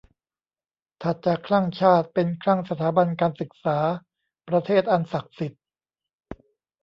ถัดจากคลั่งชาติ เป็นคลั่งสถาบันการศึกษา ประเทศอันศักดิ์สิทธิ์